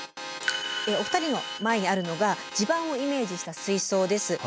お二人の前にあるのが地盤をイメージした水槽です。